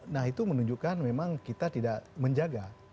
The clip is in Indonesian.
nah itu menunjukkan memang kita tidak menjaga